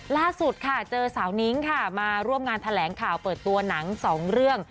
ล่าสุดค่ะเจอสาวนิ้งค่ะมาร่วมงานแถลงข่าวเปิดตัวหนังสองเรื่อง